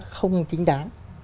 không chính đáng